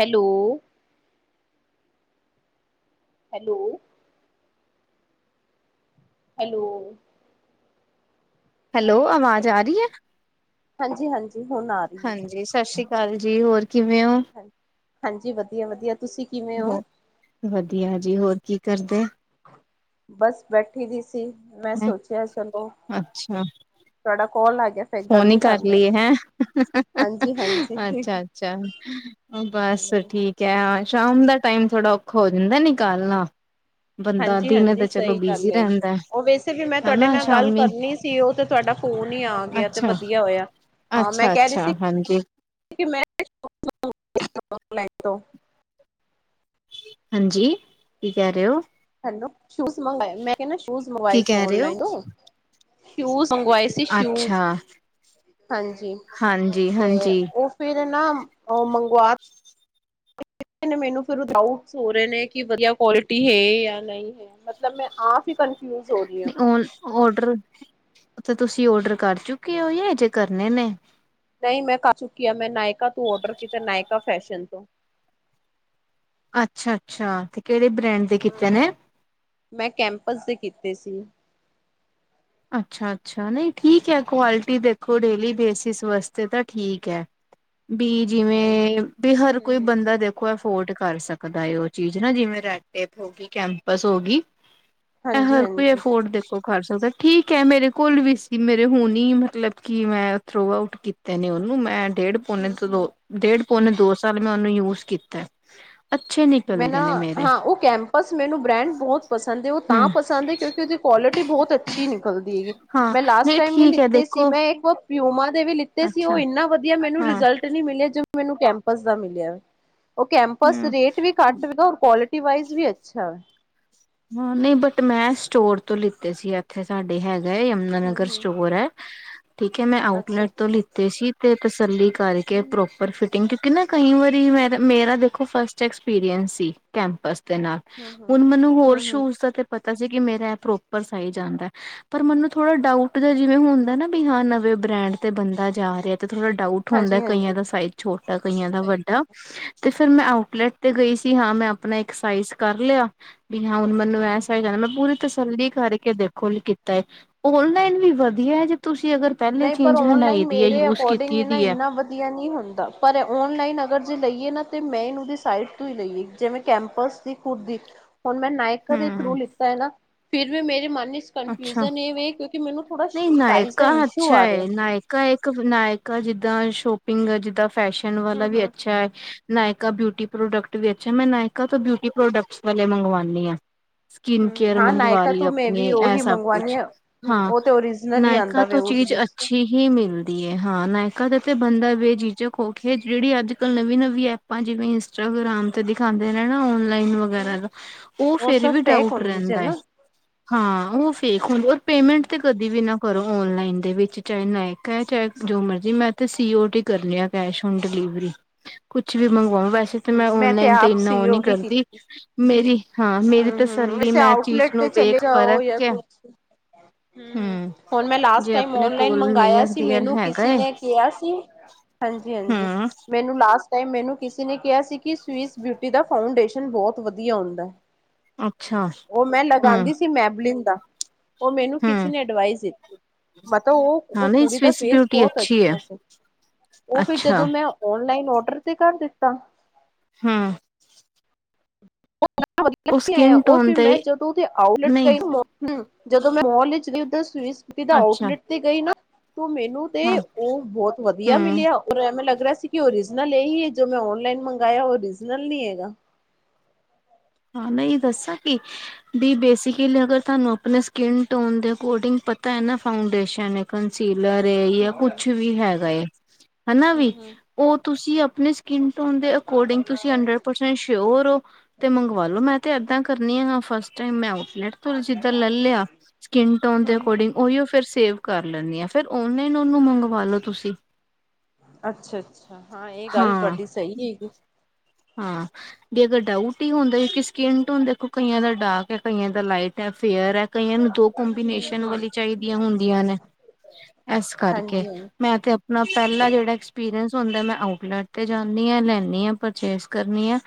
Hello. Hello. Hello. Hello ਅਵਾਜ਼ ਆ ਰਹੀ ਹੈ। ਹਾਂਜੀ ਹਾਂਜੀ ਹੁਣ ਆ ਰਹੀ ਹਾਂਜੀ ਸਤਿ ਸ੍ਰੀ ਅਕਾਲ ਜੀ ਹੋਰ ਕਿਵੇਂ ਓ। ਹੈਗੀ ਹਾਂਜੀ ਵਧੀਆ ਵਧੀਆ ਤੁਸੀਂ ਕਿਵੇਂ ਹੋ ਵਧੀਆ ਜੀ ਹੋਰ ਕੀ ਕਰਦੇ ਬਸ ਬੈਠੀ ਦੀ ਸੀ ਮੈਂ ਸੋਚਿਆ ਚਲੋ। ਅੱਛਾ ਤੁਹਾਡਾ ਕੋਲ ਆ ਗਿਆ। ਫਿਰ ਫੋਨ ਗੱਲ ਹੀ ਕਰ ਲਈ ਲਈਏ ਹੈਂ ਹਾਂਜੀ ਹਾਂਜੀ ਅੱਛਾ-ਅੱਛਾ ਬਸ, ਬੱਸ ਠੀਕ ਹੈ ਸ਼ਾਮ ਦਾ ਟਾਈਮ ਥੋੜਾ ਔਖਾ ਹੋ ਜਾਂਦਾ ਨੀ ਕੱਲ ਆ, ਹਾਂਜੀ-ਹਾਂਜੀ ਸਹੀ ਗੱਲ ਹੈਗੀ ਰਹਿੰਦਾ ਉਹ ਵੈਸੇ ਵੀ ਮੈਂ ਤੁਹਾਡੇ ਹਨਾ ਨਾਲ ਗੱਲ ਸ਼ਾਮੀ ਕਰਨੀ ਸੀ ਉਹ ਤੇ ਤੁਹਾਡਾ, ਉਹ ਨੀ ਆ ਗਿਆ ਤੇ ਅੱਛਾ ਵਧੀਆ ਹੋਇਆ ਹਾਂ ਮੈਂ ਅੱਛਾ ਕਹਿ ਰਹੀ ਅੱਛਾ ਸੀ। ਹਾਂਜੀ ਔ ਮੇ ਤੋ ਹਾਂਜੀ ਕੀ ਕਹਿ ਰਹੇ ਹੋ? ਹੈ ਸ਼ੂਜ ਮੰਗਵਾਏ ਮੈਂ ਕਿਹਾ ਸ਼ੂਜ ਕੀ ਮੰਗਵਾਏ ਸੀ ਕਹਿ ਰਹੇ ਹੋ ਔਨਲਾਈਨ ਤੋਂ ਸ਼ੂਜ਼ ਮੰਗਵਾਏ ਸੀ ਅੱਛਾ ਸ਼ੂਜ਼ ਹਾਂਜੀ ਹਾਂਜੀ ਤੇ ਹਾਂਜੀ ਉਹ ਫਿਰ ਨਾ ਉਹ ਮੰਗਵਾ, ਮੈਨੂੰ ਫਿਰ ਡਾਊਟਸ ਹੋ ਰਹੇ ਨੇ ਕਿ ਵਧੀਆ ਕੁਆਲਿਟੀ ਹੈ ਜਾਂ ਨਹੀਂ ਹੈ ਮਤਲਬ ਮੈਂ ਆਪ ਹੀ, ਕਨਫਿਊਜ ਹੋ ਰਹੀ ਹਾਂ ਨਹੀਂ ਔ ਔਡਰ, ਤੇ ਤੁਸੀਂ ਆਰਡਰ ਕਰ ਚੁੱਕੇ ਹੋ ਜਾਂ ਜੇ ਕਰਨੇ ਨੇ, ਨਹੀਂ ਮੈਂ ਕਰ ਚੁੱਕੀ ਆ ਮੈਂ ਨਾਇਕਾ ਤੋਂ ਔਡਰ ਕੀਤਾ ਨਾਇਕਾ ਫੈਸ਼ਨ ਤੋਂ, ਅੱਛਾ-ਅੱਛਾ ਤੇ ਕਿਹੜੇ ਬ੍ਰਾਂਡ ਦੇ ਕੀਤੇ ਨੇ, ਵੈਸੀ ਅੱਛਾ ਅੱਛਾ ਨਹੀਂ ਠੀਕ ਹੈ। ਕੁਆਲਿਟੀ ਦੇਖੋ ਡੇਲੀ ਬੇਸਿਸ ਵਾਸਤੇ ਤਾਂ ਠੀਕ ਹੈ। ਵੀ ਹਾਂਜੀ ਜਿਵੇਂ ਵੀ ਹਰ ਕੋਈ ਬੰਦਾ ਦੇਖੋ। ਅਫੋਰਡ ਕਰ ਸਕਦਾ ਹੈ ਉਹ ਚੀਜ਼ ਨਾ ਜਿਵੇ ਰੈਡ ਟੇਪ ਤੇ ਕੈਂਪਸ ਹੋਗੀ‌। ਹਾਂਜੀ ਹਰ ਕੋਈ ਹਾਂਜੀ ਅਫੋਰਡ ਦੇਖੋ ਕਰ ਸਕਦਾ। ਠੀਕ ਹੈ ਮੇਰੇ ਕੋਲ ਵੀ ਸੀ ਮੇਰੇ ਹੁਣ ਹੀ ਮਤਲਬ ਕਿ ਮੈਂ ਥਰੋ ਆਊਟ ਕੀਤੇ ਨੇ ਉਹਨੂੰ ਮੈਂ, ਡੇਢ ਪੌਨੇ ਦੋ ਸਾਲ ਮੈਂ ਉਹਨੂੰ ਯੂਜ ਕੀਤਾ। ਅੱਛੇ ਮੈ ਨਿਕਲ ਨਾ ਗਏ ਨੇ ਮੇਰੇ ਹਾਂ ਉਹ ਕੈਂਪਸ ਮੈਨੂੰ ਬ੍ਰੈਂਡ ਬਹੁਤ ਪਸੰਦ ਹੈ ਉਹ ਹੂੰ। ਤਾਂ ਪਸੰਦ ਹੈ ਕਿਉਂਕਿ ਉਹ ਕੁਆਲਿਟੀ ਬਹੁਤ ਅੱਛੀ ਹੈ। ਅੱੀ ਨਿਕਲਦੀਗੀ ਹਾਂ ਮੈਂ ਲਾਸਟ ਨਹੀਂ ਟਾਈਮ ਵੀ ਠੀਕ ਹੈ ਲਿਤੇ ਸੀ ਦੇਖੋ ਮੈਂ ਇੱਕ ਬਹੁ ਪਿਊਮਰ, ਵੀ ਲਿੱਤੇ ਸੀ ਉਹ ਅੱਛਾ ਇੰਨਾ ਵਧੀਆ ਮੈਨੂੰ ਹਾਂ ਰਿਜਲਟ ਨੀ ਮਿਲਿਆ ਜੋ ਮੈਨੂੰ ਕੈਂਪਸ ਦਾ ਮਿਲਿਆਂ ਉਹ, ਕੈਂਪਸ ਹਮ ਰੇਟ ਵੀ ਕੁਆਲਿਟੀ ਵਾਇਸ ਹਾਂ ਨਹੀਂ ਬਟ ਮੈਂ ਸਟੋਰ ਤੋਂ ਲਿੱਤੇ ਸੀ ਇੱਥੇ ਸਾਡੇ ਹੈਗੇ ਯਮੁਨਾ ਹੂੰ ਨਗਰ ਹੂੰ ਸਟੋਰ ਹੈ। ਠੀਕ ਹੈ ਮੈਂ ਅੱਛਾ ਆਊਟਲੈਟ ਤੋਂ ਅੱਛਾ ਲਿਤੇ ਸੀ ਤੇ ਤਸੱਲੀ ਕਰਕੇ ਹੂੰ ਪ੍ਰੋਪਰ ਫੇ ਕਿਉਂਕਿ ਨਾ ਕਈ ਵਾਰੀ ਮੇਰਾ ਦੇਖੋ ਫਸਟ ਐਕਸਪੀਰੀਅੰਸ ਸੀ ਕੈਂਪਸ ਨਾਲ ਹੂੰ ਹੂੰ ਹੁਣ ਮੈਨੂੰ ਹੋਰ ਹੂੰ ਹੂੰ ਸ਼ੂਜ ਦਾ ਤੇ ਪਤਾ। ਸੀ ਕਿ ਮੇਰਾ ਪ੍ਰੋਪਰ ਸਾਈਜ ਆਦਾ ਹੈ ਪਰ ਮੈਨੂੰ ਥੋੜਾ ਡਊਟ ਦਾ ਜਿਵੇਂ ਹੁੰਦਾ ਹੂੰ ਨਾ ਹਾਂ ਨਵੇ, ਬ੍ਰੈਂਡ ਤੇ ਬਣਦਾ ਜਾ ਰਿਹਾ, ਤੇ ਥੋੜਾ ਡਾਊਟ ਹਾਂਜੀ ਹੁੰਦਾ ਕਈਆਂ ਹਾਂਜੀ ਦਾ ਸਾਈਜ਼ ਛੋਟਾ ਕਈਆਂ ਦਾ ਸਹੀ ਗੱਲ ਵੱਡਾ, ਹੈ। ਤੇ ਫੇਰ ਮੈਂ ਆਊਟਲੈਟ ਤੇ ਗਈ ਸੀ ਹਾਂ ਮੈਂ ਆਪਣਾ ਇਕ ਸਾਈਜ਼ ਕਰ ਲਿਆ। ਵੀ ਹੁਣ ਮੈਨੂੰ ਹੂੰ ਹੂੰ ਐਸਾ ਹੀ ਕਹਦਾ ਮੈਂ ਪੂਰੀ ਤਸੱਲੀ ਕਰਕੇ ਦੇਖੋ ਕੀਤਾ ਹੈ ਔਨਲਾਈਨ ਵੀ ਵਧੀਆ ਹੈ ਜੇ ਤੁਸੀਂ ਅਗਰ ਪਹਿਲੇ ਨਹੀਂ ਪਰ ਚੀਜ਼ ਹੰਡਾਈ ਔਨਲਾਈਨ ਦੀ ਹੈ ਮੇਰੇ ਯੂਜ ਅਕੋਰਡਿੰਗ ਕੀਤੀ ਨਾ ਦੀ ਹੈ। ਇਨਾ ਵਧੀਆ ਨਹੀਂ ਹੁੰਦਾ ਪਰ ਔਨਲਾਈਨ ਅਗਰ ਜੈ ਲਈਏ ਨਾ ਤੇ ਮੈਂਨੂੰ ਦੀ ਸਾਈਟ ਤੋਂ ਹੀ ਲਈਏ ਜਿਵੇਂ ਕੈਂਪਸ ਦੀ ਖੁੱਦ ਦੀ ਹੁਣ ਮੈਂ ਨਾਇਕਾ ਦੇ ਥਰੂ ਹੂੰ ਲਿੱਤਾ ਹੈ ਨਾ ਫਿਰ ਵੀ ਮੇਰੇ ਮਨ ਵਿਚ ਅੱਛਾ। ਕਨਫਿਊਜਨ ਇਹ ਕਿਉਂਕਿ ਮੈਨੂੰ ਥੋੜਾ ਨਹੀਂ ਸਾਈਜ਼ ਦਾ ਨਾਇਕਾ ਇਸ਼ੂ ਅੱਛਾ ਆ ਰਿਹਾ ਹੈ ਨਾਇਕਾ ਇੱਕ ਨਾਇਕਾ ਜਿੱਦਾਂ ਸ਼ੋਪਿੰਗ ਜਿੱਦਾਂ ਫੈਸ਼ਨ ਵਾਲਾ ਹਮ ਵੀ ਹਮ ਅੱਛਾ ਹੈ। ਨਾਇਕਾ ਬਿਊਟੀ ਪ੍ਰੋਡਕਟ ਵੀ ਅੱਛਾ ਮੈਂ ਨਾਇਕਾ ਤੋਂ ਬਿਊਤੀ ਪ੍ਰੋਡਕਟ ਵਾਲੇ ਮੰਗਵਾਉਦੀ ਹਾਂ ਸਕਿਨ ਹਮ ਕੇਅਰ ਹਾਂ ਮੰਗਵਾ ਨਾਇਕਾ ਲਈ ਤੋਂ ਮੈਂ ਆਪਣੀ ਵੀ ਇਹ ਉਹੀ ਸਭ ਮੰਗਵਾਉਣੀ ਕੁਛ ਆ ਹਮ ਹਾਂ। ਉਹ ਤੇ ਓਰੀਜਨਲ ਹੀ ਨਾਇਕਾ ਆਉਂਦਾ ਵੇ ਤੋਂ ਉਹਦੇ ਚੀਜ਼ ਵਿੱਚ ਤੇ ਅੱਛੀ ਹੀ ਮਿਲਦੀ ਹੈ ਹਾਂ ਨਾਇਕਾ ਦੇ ਤੇ ਬੰਦਾ ਵੀ ਚੀਜ਼ ਖੋ ਕੇ ਜਿਹੜੀ ਅੱਜ ਕੱਲ੍ਹ ਨਵੀ-ਨਵੀ ਐਪਾਂ ਜਿਵੇਂ ਇੰਸਟਾਗ੍ਰਾਮ ਤੇ ਦਿਖਾਉਂਦੇ ਨੇ ਨਾ ਲਾਈਨ ਵਗੈਰਾ ਹਮ ਦਾ ਉਹ ਫੇਰ ਵੀ ਸਭ ਫੇਕ ਡਾਊਟ ਹੁੰਦੀ ਜੇ ਰਹਿੰਦਾ ਹੈ ਨਾ ਹਾਂ ਉਹ ਫੇਕ ਹੁੰਦੇ ਅੱਛਾ ਪੇਮੈਂਟ ਤੇ ਬਿਨਾਂ ਕਰੋ ਔਨਲਾਈਨ ਦੇ ਵਿੱਚ ਚਾਹੇ ਨਾਇਕਾ ਹੈ ਚਾਹੇ ਜੋ ਮਰਜ਼ੀ ਮੇ ਤੇ ਔ ਕਰ ਲਿਆ ਕੈਸ਼ ਹੋਣ, ਡਿਲੀਵਰੀ ਕੁਛ ਵੀ ਮੰਗਵਾਣ ਵੈਸੇ ਤਾਂ ਮੈਂ ਔਨਲਾਈਨ ਤੇ ਇੰਨਾ ਉਹ ਨੀ ਕਰਦੀ ਮੇਰੀ ਹਾਂ ਮੇਰੀ ਹੂੰ ਹੂੰ ਤਸੱਲੀ ਵੈਸੇ ਮੈਂ ਆਊਟਲੇਟ ਚੀਜ਼ ਤੇ ਨੂੰ ਚਲੇ ਵੇਖ ਜਾਓ ਪਰਖ ਜਾਂ ਕੇ ਕੁਛ ਹੂੰ ਹਮ ਹੁਣ ਮੈਂ ਲਾਸਟ ਜੇ ਟਾਈਮ ਆਪਣੇ ਓਨਲਾਈਨ ਕੋਲ ਮੰਗਾਇਆ ਨੀਅਰ ਸੀ ਡੀਅਰ ਮੈਨੂੰ ਹੈਗਾ ਕਿਸੇ ਏ ਨੇ ਕਿਹਾ ਸੀ ਹਾਂਜੀ-ਹਾਂਜੀ ਮੈਨੂੰ ਲਾਸਟ ਮੈਨੂੰ ਕਿਸੇ ਨੇ ਕਿਹਾ ਸੀ ਕਿ ਸਵਿਸ ਬਿਊਟੀ ਦਾ ਫਾਊਂਡੇਸ਼ਨ ਬਹੁਤ ਵਧੀਆ ਹੁੰਦਾ ਉਹ ਮੈਂ ਲਗਾਉਂਦੀ ਸੀ ਮੈਬਲਿਨ ਦਾ ਉਹ ਮੈਨੂੰ ਕਿਸੇ ਨੇ ਅਡਵਾਈਸ ਦਿੱਤੀ ਮੈਂ ਤਾਂ ਉਹ-ਉਹ ਕੁੜੀ ਦਾ ਫੇਸ ਬਹੁਤ ਅੱਛਾ ਸੀ ਉਹ ਫਿਰ ਜਦੋਂ ਮੈਂ ਓਨਲਾਈਨ ਓਡਰ ਤੇ ਕਰ ਦਿੱਤਾ ਹਾਂ ਵਧੀਆ ਨਹੀਂ ਆਇਆ ਸਕਿਨ ਉਹ ਟੋਨ ਫਿਰ ਤੇ ਮੈਂ ਜਦੋਂ [unintelligible] ਮੱਲ ਵਿੱਚ ਨਹੀਂ ਗਈ ਜਦੋਂ ਮੈਂ ਉਧਰ ਸਵਿਸ ਬਿਊਟੀ ਦੇ ਅੱਛਾ ਆਊਟਲੇਟ ਤੇ ਗਈ ਨਾ ਤੋਂ ਮੈਨੂੰ ਤੇ ਹਾਂ ਉਹ ਬਹੁਤ ਵਧੀਆ ਹਮ ਮਿਲਿਆ ਔਰ ਐਵੇਂ ਲੱ ਸੀ ਕਿ ਓਰਿਜਨਲ ਇਹੀ ਹੈ ਜੋ ਮੈਂ ਔਨਲਾਈਨ ਮੰਗਾਇਆ ਓਰਿਜਨਲ ਨਹੀਂ ਹੈਗਾ ਹਾਂ ਨਹੀ ਇਹ ਦੱਸਾਂ ਕਿ ਵੀ ਬੇਸਿਕਲੀ ਅਗਰ ਤੁਹਾਨੂੰ ਆਪਣੇ ਸਕਿਨ ਟੋਨ ਦੇ ਅਕੋਰਡਿੰਗ ਪਤਾ ਹੈ ਨਾ ਫਾਊਡੇਸ਼ਨ ਹੈ ਕੰਸੀਲਰ ਜਾਂ ਹੂੰ ਕੁਛ ਵੀ ਹੈਗਾ ਹਨਾ ਵੀ ਹੂੰ ਉਹ ਤੁਸੀਂ ਆਪਣੇ ਸਕਿਨ ਟੋਨ ਦੇ ਅਕੋਰਡਿੰਗ ਤੁਸੀਂ ਹੰਡਰਡ ਪਰਸੈਂਟ ਸ਼ਓਰ ਹੋ। ਅਤੇ ਮੰਗਵਾ ਲੋ ਮੈਂ ਤਾਂ ਇੱਦਾਂ ਕਰਨੀ ਆ ਫਸਟ ਟਾਈਮ ਮੈਂ ਤੋਂ ਜਿੱਦਾਂ ਲੈ ਲਿਆ ਸਕਿਨ ਟੋਨ ਦੇ ਹੂੰ ਹੂੰ ਅਕੋਰਡਿੰਗ ਉਹੀਓ ਫਿਰ ਸੇਵ ਕਰ ਲੈਂਦੀ ਆ ਫਿਰ ਔਨਲ ਉਹਨੂੰ ਮੰਗਵਾ ਲੋੋ ਤੁਸੀਂ ਅੱਛਾ-ਅੱਛਾ ਹਾਂ ਇਹ ਗੱਲ ਹਾਂ ਤੁਹਾਡੀ ਸਹੀ ਹੈਗੀ। ਹਾਂ ਵੀ ਅਗਰ ਡਾਊਟ ਹੀ ਹੁੰਦਾ ਸਕਿਨ ਤੋਂ ਐ ਦੇਖੋ ਕਈਆਂ ਦਾ ਡਾਰਕ ਕਈਆਂ ਦਾ ਲਾਈਟ ਹੈ ਫੇਅਰ ਹੈ ਕਈਆਂ ਨੂੰ ਦੋ ਕੋਂਬੀਨੇਸ਼ਨ ਹਾਂਜੀ ਵਾਲੀ ਚਾਹੀਦੀਆਂ ਹੁੰਦੀਆਂ ਨੇ--, ਇਸ ਹਾਂਜੀ ਹੁੰਦਾ ਮੈਂ ਆਊਟਲੈਟ ਤੇ ਜਾਂਦੀ ਹਾਂ ਲੈਂਦੀ ਹਾਂ ਪਰਚੇਸ ਕਰਨੀ ਆ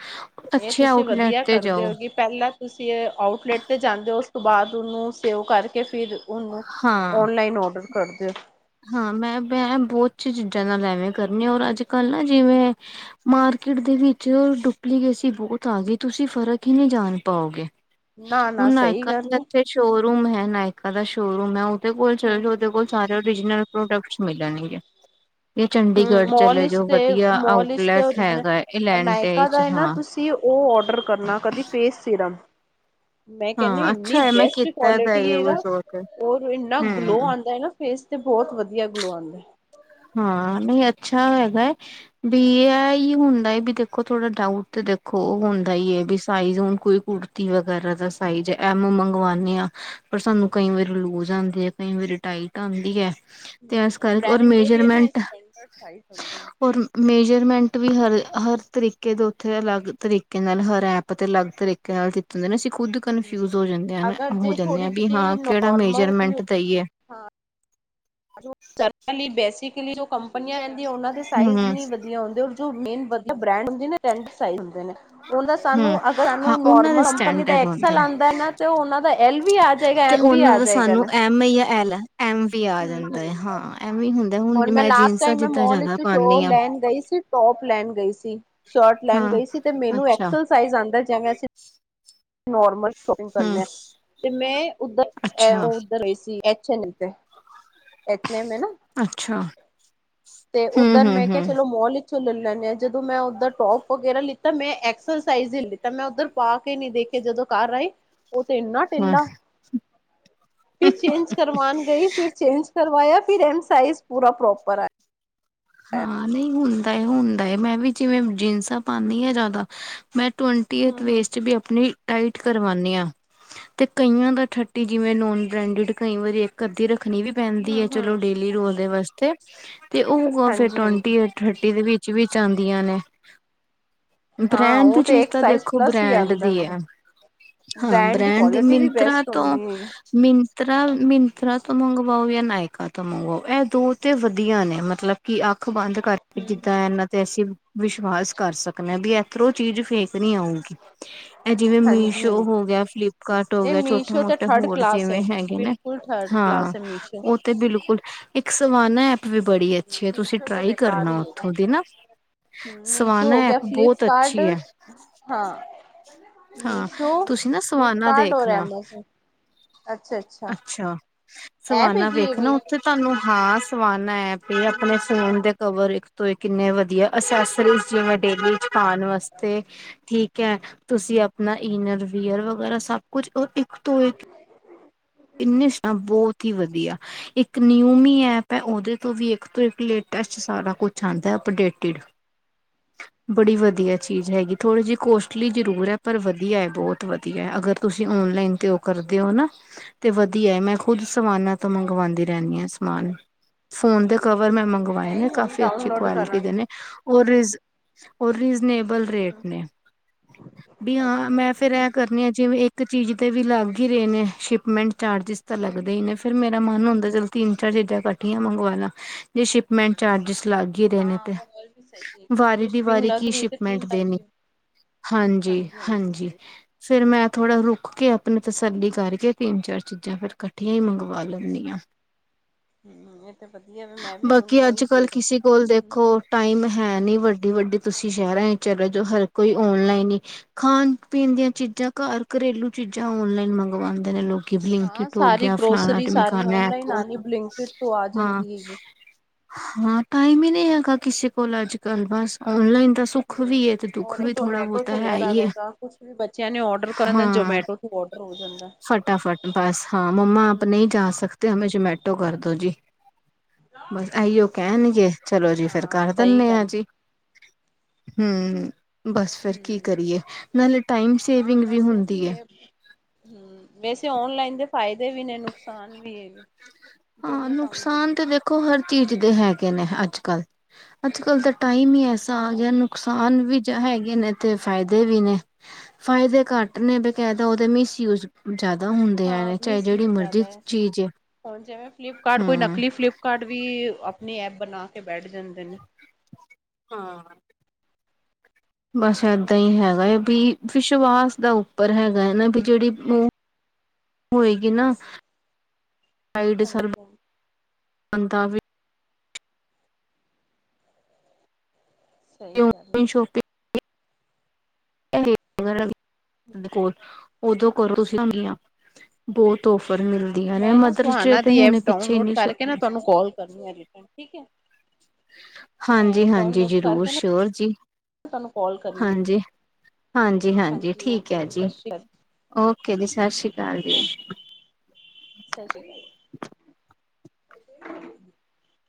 ਇਹ ਅੱਛੇ ਤੁਸੀਂ ਆਊਟਲੈਟ ਵਧੀਆ ਤੇ ਕਰਦੇ ਜਾਓ ਹੋ ਕੀ ਪਹਿਲਾਂ ਤੁਸੀਂ ਆਊਟਲੈਟ 'ਤੇ ਜਾਂਦੇ ਹੋ ਉਸ ਤੋਂ ਬਾਅਦ ਉਹਨੂੰ ਸੇਵ ਕਰਕੇ ਫਿਰ ਉਹਨੂੰ ਹਾਂ ਔਨਲਾਈਨ ਔਡਰ ਕਰ ਦਿਓ ਹਾਂ ਮੈਂ-ਮੈਂ ਬਹੁਤ ਚੀਜ਼ਾਂ ਨਾਲ ਐਵੇਂ ਕਰਨੀ ਆ ਔਰ ਅੱਜ ਕੱਲ੍ਹ ਨਾ ਜਿਵੇਂ ਮਾਰਕੀਟ ਦੇ ਵਿੱਚ ਡੁਪਲੀਕੇਸੀ ਬਹੁਤ ਆ ਗਈ ਤੁਸੀਂ ਫਰਕ ਹੀ ਨਹੀਂ ਜਾਣ ਪਾਓਗੇ ਨਾ ਹੁਣ ਨਾ ਸਹੀ ਨਾਇਕਾ ਗੱਲ ਹੈ। ਇਥੇ ਸ਼ੋਰ ਰੂਮ ਹੈ ਨਾਇਕਾ ਦਾ ਸ਼ੋਅਰੂਮ ਹੈ ਉਹਦੇ ਕੋਲ ਚੱਲ ਜਾਓ ਹੂੰ ਉਹਦੇ ਕੋਲ ਚਾਰੇ ਨਾਲ ਪ੍ਰੋਡਕਟਸ ਮਿਲਣਗੇ ਜਾ ਚੰਡੀਗੜ੍ਹ ਮੋਲ ਚਲੇ ਵਿਚ ਜੋ ਤੇ ਵਧੀਆ ਮੋਲ ਵਿਚ ਤੇ ਆਊਟਲੈਟ ਓਰੀਜਨਲ ਹੈਗਾ ਇਲਾਟੇ ਨਾਇਕਾ ਚ ਦਾ ਹੈ ਨਾ ਹਾਂ ਤੁਸੀਂ ਉਹ ਔਡਰ ਕਰਨਾ ਕਦੀ ਫੇਸ ਸੀਰਮ ਮੈਂ ਕਹਿੰਨੀ ਹਾਂ ਇਨੀ ਅੱਛਾ ਹੈ ਮੈਂ ਬੈਸਟ ਕੀਤਾ ਦਾ ਕੁਆਲਿਟੀ ਏ ਨਾ ਯੂਜ ਉਹ ਤੇ ਔਰ ਇੰਨਾ ਗਲੋ ਹਮ ਆਂਦਾ ਨਾ ਫੇਸ ਤੇ ਬਹੁਤ ਵਧੀਆ ਗਲੋ ਆਂਦਾ ਹਾਂ ਨਹੀਂ ਅੱਛਾ ਹੈਗਾ ਹੈ ਵੀ ਇਹ ਹੀ ਹੁੰਦਾ ਹੈ ਵੀ ਦੇਖੋ ਥੋੜਾ ਡਾਊਟ ਤੇ ਦੇਖੋ ਦੇਖੋ ਉਹ ਹੁੰਦਾ ਈ ਹੈ ਵੀ ਸਾਈਜ਼ ਹੁਣ ਕੋਈ ਕੁੜਤੀ ਵਗੈਰਾ ਦਾ ਸਾਈਜ ਐਮ ਮੰਗਵਾਣੇ ਆ ਪਰ ਸਾਨੂੰ ਕਈ ਵਾਰੀ ਲੂਜ ਆਂਦੀ ਹੈ ਕਈ ਵਾਰੀ ਟਾਈਟ ਆਂਦੀ ਹੈ ਤੇ ਇਸ ਉਹ ਬ [unintelligible] ਔਰ ਮੇਜਰਮੈਂਟ ਵੀ ਹਰ ਹਰ ਤਰੀਕੇ ਦੇ ਉੱਥੇ ਅਲੱਗ ਤਰੀਕੇ ਨਾਲ ਹਰ ਐਪ ਤੇ ਅਲੱਗ ਤਰੀਕੇ ਨਾਲ ਦਿੱਤੇ ਹੁੰਦੇ ਨੇ ਖੁਦ ਨੇ। ਹੂੰ ਕਨਫਿਊਜ਼ ਹੋ ਜਾਂਦੇ ਆ ਅਗਰ ਹੋ ਜੇ ਜਾਂਦੇ ਆ ਥੋੜੀ ਵੀ ਹਾਂ ਜਿਹੀ ਕਿਹੜਾ ਨੋਰਮਲ ਮੇਜਰਮੈਂਟ ਦਾ ਹੀ ਹੈ [unintelligible] [unintelligible] ਬੇਸਿਕਲੀ ਜੋ ਕੰਪਨੀਆਂ ਰਹਿੰਦੀਆਂ ਉਹਨਾਂ ਦੇ ਹਮ ਸਾਈਜ਼ ਨਹੀਂ ਵਧੀਆ ਹੁੰਦੇ ਮੇਨ ਮਤਲਬ ਬ੍ਰਡ ਹੁੰਦੇ [unintelligible] ਉਹਨਾਂ ਦਾ ਸਾਨੂੰ ਹੂੰ ਅਗਰ ਹਾਂ ਸਾਨੂੰ ਉਹਨਾਂ ਦੇ ਨੋਰਮਲ ਕੰਪਨੀ ਦਾ ਸਟੈਂਡਰਡ ਐਕਸ ਹੁੰਦੇ ਨੇ ਆਉਂਦਾ ਨਾ ਉਹ ਦਾ ਐਲ ਵੀ ਆ ਜਾਏਗਾ ਤੇ ਐਮ ਵੀ ਉਹਨਾਂ ਆ ਦਾ ਜਾਏਗਾ ਸਾਨੂੰ ਨਾ ਐਮ ਈ ਜਾਂ ਐਲ ਐਮ ਵੀ ਆ ਹਮ ਜਾਂਦਾ ਹਮ ਹੈ ਹਾਂ ਐਮ ਵੀ ਹੁਣ ਮੈਂ ਲਾਸਟ ਟਾਈਮ ਮੋਲ ਵਿੱਚ ਸ਼ੋ ਪਾਉਂਦੀ ਹਾਂ ਲੈਣ ਗਈ ਸੀ ਟੋਪ ਲੈਣ ਗਈ ਸੀ ਸ਼ਰਟ ਲੈਣ ਹਾਂ ਗਈ ਸੀ ਤੇ ਮੈਨੂੰ ਅੱਛਾ ਐਕਸਲਸਾਈਜ਼ ਆਂਦਾ ਜਿਵੇਂ ਅਸੀਂ ਨੋਰਮਲ ਸ਼ੋਪਿੰਗ ਕਰਨ ਹੂੰ ਆ ਤੇ ਮੈਂ ਉੱਧਰ ਅੱਛਾ ਉੱਧਰ ਰਹੀ ਸੀ ਐਛ ਨਹੀਂ ਇੱਕ ਨਾ ਅੱਛਾ ਤੇ ਹੂੰ ਉੱਧਰ ਹੂੰ ਮੈਂ ਕਿਹਾ ਹੂੰ ਚਲੋ ਮੋਲ ਲੇ ਲੈਂਦੇ ਹਾਂ ਜਦੋਂ ਮੈਂ ਉੱਧਰ ਟੋਪ ਵਗੈਰਾ ਲਿੱਤਾ ਮੈਂ ਐਕਸਰਸਾਈਜ਼ ਹੀ ਲਿੱਤਾ ਮੈਂ ਉੱਧਰ ਪਾ ਕੇ ਹੀ ਨਹੀਂ ਦੇਖਿਆ ਕੇ ਜਦੋਂ ਘਰ ਆਈ ਉਹ ਤੇ ਇੰਨਾ ਹੂੰ ਟਢਿੱਲਾ [inaudible] ਫਿਰ ਚੇਂਜ ਕਰਵਾਨ ਗਈ ਫਿਰ ਚੇਂਜ ਕਰਵਾਇਆ ਫਿਰ ਐਮ ਸਾਈਜ਼ ਪੂਰਾ ਪ੍ਰੋਪਰ ਆਇ ਹਾਂ ਨਹੀਂ ਹੁੰਦਾ ਹੁੰਦਾ ਮੈਂ ਵੀ ਜਿਵੇਂ ਜੀਨਸਾਂ ਪਾਉਦੀ ਹ ਜਿਆਦਾ ਮੈਂ ਟਵੰਟੀ ਹੂੰ ਏਥ ਹੂੰ ਵੇਸਚ ਵੀ ਆਪਣੀ ਟਾਈਟ ਕਰਵਾਉਾਨਦੇ ਹਾਂ ਤੇ ਕਈਆਂ ਦਾ ਠੱਟੀ ਜਿਵੇਂ ਨੋਨ ਬ੍ਰੈਂਡਡ ਕਈ ਵਾਰੀ ਇੱਕ ਅੱਧੀ ਰ ਰੱਖਣੀ ਵੀ ਪੈਂਦੀ ਹੂੰ ਹੈ ਚਲੋ ਹੂੰ ਡੇਲੀ ਰੋਦੇ ਵਾਸਤੇ ਤੇ ਉਹ ਫਰ ਹਾਂਜੀ ਹਾਂਜੀ ਟਵੰਟੀ ਰੋਟੀ ਦੇ ਵਿੱਚ ਵੀ ਆਦੀਆਂ ਨੇ ਹਾਂ ਬ੍ਰੈਂਡ ਉਹ ਦੀ ਤੇ ਚੀਜ਼ ਇੱਕ ਤਾਂ ਸਾਈਜ਼ ਦੇਖੋ ਪਲੱਸ ਹੀ ਬ੍ਰੈਂਡ ਆਂਦਾ ਦੀ ਫਿਰ ਹੈ ਹਾਂ ਬ੍ਰੈਂਡ ਦੀ ਕੁਆਲਿਟੀ ਵੀ ਮਿੰਤਰਾ ਬੈਸਟ ਤੋਂ ਹੁੰਦੀ ਮਿੰਤਰਾ ਮਿੰਤਰਾ ਤੋਂ ਮੰਗਵਾਓ ਜਾਂ ਨਾਇਕਾ ਤੋਂ ਮੰਗਵਾਓ ਇਹ ਦੋ ਤੇ ਵਧੀਆ ਨੇ ਮਤਲਬ ਕਿ ਅੱਖ ਬੰਦ ਕਰਕੇ ਹੈਗੀ ਜਿੱਦਾਂ ਇਨਾ ਤੇ ਅਸੀਂ ਵਿਸ਼ਵਾਸ ਕਰ ਸਕਣਾ ਵੀ ਇਧਰੋਂ ਚੀਜ਼ ਫੇਕ ਨੀ ਆਉਗੀ ਇਹ ਜਿਵੇਂ ਹਾਂਜੀ ਮੀਸ਼ੋ ਹਾਂਜੀ ਹੋ ਹੋ ਫਲਿੱਪਕਾਰਟ ਹੋ ਇਹ ਗਿਆ ਛੋਟੇ ਮੀਸ਼ੋ ਤੇ ਮੋਟੇ ਥਰਡ ਹੋਰ ਕਲਾਸ ਹੈ ਜਿਵੇਂ ਹੈਗੇ ਨੇ ਬਿਲਕੁਲ ਥਰਡ ਹਾਂ ਕਲਾਸ ਹੈ ਮੀਸ਼ੋ ਉਹ ਤੇ ਬਿਲਕੁਲ ਇੱਕ ਸਵਾਨਾ ਐਪ ਵੀ ਬੜੀ ਅੱਛੀ ਆ ਤੁਸੀਂ ਮੀਸ਼ੋ ਟ੍ਰਈ ਕਰਨਾ ਉੱਥੋਂ ਦੀ ਨਾ ਹੂੰ ਮੀਸ਼ੋ ਸਵਾਨਾ ਹੋ ਗਿਆ ਐਪ ਬਹੁਤ ਫਲਿਪਕਾਰਟ ਅੱਛੀ ਹੈ ਹਾਂ ਹਾਂ ਤੁਸੀਂ ਨਾ ਸਵਾਨਾ ਦੇਖਣਾ ਅੱਛਾ ਸਵਾਨਾ ਵੇਖ ਨਾ ਉੱਥੇ ਤੁਹਾਨੂੰ ਹਾਂ ਸਵ ਵੀ ਆਪਣੇ ਫੋਨ ਦੇ ਕਵਰ ਕਿੰਨੇ ਵਧੀਆ ਅਸੈਸਰੀ ਜਿਵੇਂ ਡੇਲੀ ਵਿਚ ਪਾਨ ਵਾਸਤੇ ਠੀਕ ਹੈ ਤੁਸੀਂ ਆਪਣਾ ਇਨਰ ਵੀਅਰ ਵਗੈਰਾ ਸਭ ਕੁਝ ਉਹ ਇੱਕ ਤੋਂ ਇੱਕ ਇੰਨੇ ਬਹੁਤ ਹੀ ਵਧੀਆ ਇੱਕ ਨਿਊਮੀ ਐਪ ਹੈ ਉਹਦੇ ਤੋਂ ਵੀ ਇੱਕ ਤੋਂ ਇੱਕ ਲੇਟੈਸਟ ਸਾਰਾ ਕੁਛ ਆਉਂਦਾ ਅਪਡੇਟਿਡ ਬੜੀ ਵਧੀਆ ਚੀਜ਼ ਹੈਗੀ ਥੋੜੀ ਜਿਹੀ ਕੋਸ਼ ਜਰੂਰ ਹੈ ਪਰ ਵਧੀਆ ਹੈ ਬਹੁਤ ਵਧੀਆ ਅਗਰ ਤੁਸੀਂ ਓਨਲਾਈਨ ਤੇ ਉਹ ਕਰਦੇ ਹੋ ਨਾ ਤੇ ਵਧੀਆ ਮੈਂ ਖੁਦ ਸਵਾਨਾਂ ਤੋਂ ਮੰਗਵਾਉਂਦੀ ਰਹਿੰਦੀ ਹਾਂ ਸਮਾਨ ਫੋਨ ਤੇ ਕਵਰ ਮੈਂ ਮੰਗਵਾਏ ਨੇ ਕਾਫੀ ਅੱਛੀ ਕੁਆਲਿਟੀ ਦੇ ਨੇ ਔਰ ਉਹ ਰੀਜਨੇਬਲ ਰੇਟ ਨੇ ਵੀ ਹਾਂ ਮੈਂ ਫੇਰ ਇਹ ਕਰਨੀ ਆ ਜਿਵੇਂ ਇੱਕ ਚੀਜ਼ ਤੇ ਵੀ ਲੱਗ ਹੀ ਰਹੇ ਨੇ ਸ਼ਿਪਮੈਂਟ ਚਾਰਜਿਸ ਤਾਂ ਲੱਗਦਾ ਹੀ ਨੇ ਫੇਰ ਮੇਰਾ ਮਨ ਹੁੰਦਾ ਤਿੰਨ ਚਾਰ ਚੀਜ਼ਾਂ ਇਕੱਠੀਆਂ ਮੰਗਵਾ ਲਣਾ ਜੇ ਸ਼ਿਪਮੈਂਟ ਚਾਰਜਿਸ ਲਾਗੇ ਹੀ ਰਹੇਣੇ ਹਾਂ ਤੇ ਉਹ ਗੱਲ ਵੀ ਸਹੀ ਹੈ ਵਾਰੀ ਜੇ ਦੀ ਸ਼ਿਪਿੰਗ ਵਾਰੀ ਲੱਗ ਕੀ ਰਹੀ ਹੈ ਤੇ ਤਿੰਨ ਸ਼ਿਪਮੈਂਟ ਦੇਣੀ ਕਰਕੇ ਹਾਂਜੀ ਹਾਂਜੀ ਫਿਰ ਮੈਂ ਥੋੜਾ ਰੁਕੇ ਆਪਣੀ ਤਸੱਲੀ ਕਰਕੇ ਤਿੰਨ ਚਾਰ ਚੀਜ਼ਾਂ ਫੇਰ ਇਕੱਠੀਆਂ ਹੀ ਮੰਗਵਾ ਲੈਦੀ ਆ ਹਮ ਇਹ ਤੇ ਵਧੀਆ ਵੀ ਮੈਂ ਵੀ ਹੁਣ ਬਾਕੀ ਉਹੀ ਅੱਜ ਕੱਲ ਦੇਖ ਕਿਸੇ ਕੋਲ ਹਮ ਦੇਖੋ ਹਮ। ਟਾਈਮ ਹੈ ਨੀ ਵੱਡੇ - ਵੱਡੇ ਤੁਸੀਂ ਸ਼ਹਿਰ ਚਲੋ ਜੋ ਹਰ ਕੋਈ ਓਨਲਾਈਨ ਹੀ ਖਾਣ ਪੀਣ ਦੀਆਂ ਚੀਜ਼ਾਂ ਘਰ ਘਰੇਲੂ ਚੀਜ਼ਾਂ ਔਨਲਾਈਨ ਮੰਗਵਾਉਂਦੇ ਨੇ ਲੋਕ ਹਾਂ ਬਲਿੰਕਿਟ ਹੋ ਸਾਰੀ ਗਿਆ ਫਲਾਣਾ ਗਰੋਸਰੀ ਸਾਰੀ ਟਮਕਾਨਾ ਔਨਲਾਈਨ ਹੋ ਆਣੀ ਬਲਿੰਕਟ ਤੋਂ ਆ ਹਾਂ। ਜਾਂਦੀ ਹੈਗੀ ਹਾਂ ਟਾਈਮ ਹੀ ਨਹੀਂ ਹੈਗਾ ਕਿਸੇ ਕੋਲ ਅੱਜ ਕੱਲ ਬਸ ਔਨਲਾਈਨ ਤਾਂ ਸੁੱਖ ਵੀ ਹਮ ਹੈ ਤੇ ਦੁੱਖ ਔਰ ਵੀ ਥੋੜਾ ਜੋਮੈਟੋ ਬਹੁਤਾ ਹੈ ਚੱਲਿਆ ਦਾ ਹੀ ਹੈ ਵੇਗਾ ਕੁਛ ਵੀ ਬੱਚਿਆਂ ਨੇ ਔਡਰ ਕਰਨ ਦਾ ਹਾਂ ਜੋਮੈਟੋ ਤੋਂ ਔਡਰ। ਹੋ ਜਾਂਦਾ ਫਟਾਫਟ ਬਸ ਹਾਂ ਮੰਮਾ ਆਪ ਹੂੰ। ਨਹੀਂ ਜਾ ਸਕਦੇ ਹਮੇ ਜਮੈਟੋ ਕਰਦੋ ਜੀ ਬਸ ਆਈਓ ਕਹਿਣਗੇ ਚਲੋ ਜੀ ਫੇਰ ਹਾਂ ਕਰ ਸਹੀ ਦਿੰਦੇ ਆਂ ਗੱਲ ਜੀ ਹਮ ਬਸ ਫਿਰ ਕੀ ਹੂੰ। ਕਰੀਏ ਮੇ ਟਾਈਮ ਹਾਂ ਸੇਵਿੰਗ ਵੀ ਬਸ ਹੁੰਦੀ ਇਹੀ ਹੈ ਹੂੰ ਵੈਸੇ ਔਨਲਾਈਨ ਦੇ ਫਾਇਦੇ ਵੀ ਨੇ ਨੁਕਸਾਨ ਵੀ ਹੈ ਵੀ ਹਾਂ ਨੁਕਸਾਨ ਤਾਂ ਦੇਖੋ ਹਰ ਚੀਜ਼ ਦੇ ਹੈਗੇ ਨੇ ਅੱਜ ਕੱਲ ਅੱਜ ਕੱਲ ਤਾਂ ਟਾਈਮ ਹੀ ਹੂੰ ਐਸਾ ਆ ਹਾਂ। ਗਿਆ ਨੁਕਸਾਨ ਵੀ ਹੈਗੇ ਨੇ ਤੇ ਫਾਇਦੇ ਵੀ ਨੇ ਫਾਇਦੇ ਘੱਟ ਨੇ ਬਕਾਇਦਾ ਉਹਦੇ ਮਿਸਯੂਜ ਜ਼ਿਆਦਾ ਹੁੰਦੇ ਹੈ ਹਾਂ ਨੇ ਚਾਹੇ ਜਿਹੜੀ ਮਿਸਯੂਜ ਮਰਜ਼ੀ ਜ਼ਿਆਦਾ ਹੈ। ਚੀਜ਼ ਹੈ। ਜਿਵੇਂ ਫਲਿਪਕਾਰਟ ਕੋਈ ਨਕਲੀ ਫਲਿਪਕਾਰਟ ਵੀ ਆਪਣੀ ਐਪ ਬਣਾ ਕੇ ਬੈਠ ਜਾਂਦੇ ਨੇ। ਬਸ ਏਦਾਂ ਹੀ ਹਾਂਜੀ। ਹੈਗਾ ਹੈ ਵੀ ਵਿਸ਼ਵਾਸ ਦਾਊ। ਪਰ ਹੈਗਾ ਹੈ । ਨਾ ਵੀ ਜਿਹੜੀ ਉਹ ਹੋਏਗੀ ਨਾ ਹਾਂਜੀ ਪੰਜ ਤਾਵੀ ਸਹੀ ਗੱਲ ਹੈ। ਸ਼ੋਪਿੰਗ ਕੋਲ ਓਦੋਂ ਕਰੋ ਤੁਸੀਂਆਂ ਬਹੁਤ ਤੋਹਫ਼ਰ ਹੈ। ਮਿਲਦੀਆਂ ਨੇ ਮੈਂ ਨਾ ਮਦਰਸ ਡੇ ਸੁਹਾਨਾ ਤੇ ਦੀ ਐਪ ਹੁਣੇ ਪਿੱਛੇ ਹੀ ਡਾਊਨਲੋਡ ਕਰਕੇ ਨਾ ਨਹੀਂ। ਤੁਹਾਨੂੰ ਕਾਲ ਕਰਨੀ ਆ ਰਿਟਰਨ ਠੀਕ ਹੈ। ਮੈਂ ਹਾਂਜੀ ਐਪ ਹਾਂਜੀ ਡਾਊਨਲੋਡ ਜ਼ਰੂਰ ਕਰਕੇ ਨਾ ਸ਼ੋਰ ਜੀ। ਤੁਹਾਨੂੰ ਕਾਲ ਕਰਨੀ। ਹਾਂਜੀ ਹਾਂਜੀ ਹਾਂਜੀ ਠੀਕ ਓਕੇ ਹੈ ਜੀ। ਸਤਿ ਸ਼੍ਰੀ ਅਕਾਲ ਓਕੇ ਜੀ ਸਤਿ ਸ਼੍ਰੀ ਅਕਾਲ ਹਾਂਜੀ ਜੀ। ਓਕੇ। ਸਤਿ ਸ੍ਰੀ ਅਕਾਲ [inaudible]